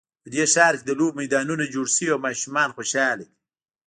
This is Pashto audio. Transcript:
په دې ښار کې د لوبو میدانونه جوړ شوي او ماشومان خوشحاله دي